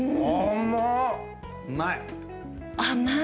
うまい。